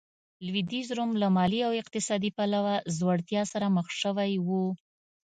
لوېدیځ روم له مالي او اقتصادي پلوه ځوړتیا سره مخ شوی و.